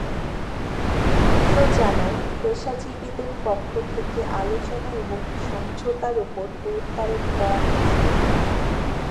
সূত্র জানায়, পেশাজীবীদের পক্ষ থেকে আলোচনা এবং সমঝোতার ওপর গুরুত্বারোপ করা হয়েছে।